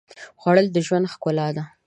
خوړل د ژوند ښکلا ده